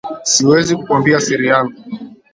Siwezi kukuambia siri yangu